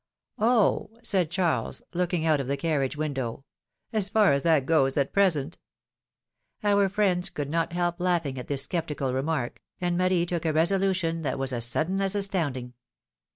Oh !" said Charles, looking out of the carriage window, as far as that goes at present —" Our friends could not help laughing at this skeptical remark, and Marie took a resolution that was as sudden as astounding.